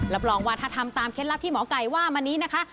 รับรองว่าถ้าทำตามเคล็ดลับที่หมอไก่ว่ามานี้นะคะ